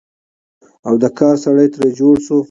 او د کار سړى تر جوړ شو،